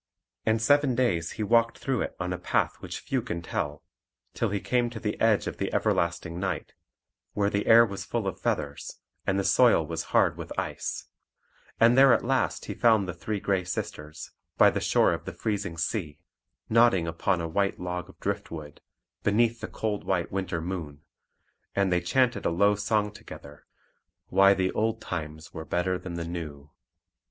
And seven days he walked through it on a path which few can tell, till he came to the edge of the everlasting night, where the air was full of feathers, and the soil was hard with ice; and there at last he found the three Grey Sisters, by the shore of the freezing sea, nodding upon a white log of driftwood, beneath the cold white winter moon; and they chanted a low song together, "Why the old times were better than the new."